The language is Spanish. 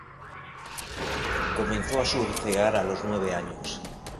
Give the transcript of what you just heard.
Comenzó a surfear a los nueve años.